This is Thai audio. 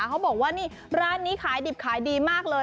เขาบอกว่านี่ร้านนี้ขายดิบขายดีมากเลย